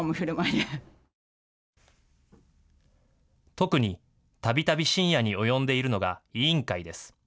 特に、たびたび深夜に及んでいるのが委員会です。